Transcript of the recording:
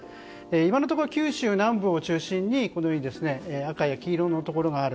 今のところ九州南部を中心に赤や黄色のところがある。